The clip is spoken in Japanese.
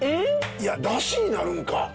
いやダシになるんか！